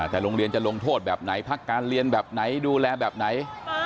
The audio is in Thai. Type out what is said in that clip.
แต่โรงเรียนจะลงโทษแบบไหนพักการเรียนแบบไหนดูแลแบบไหน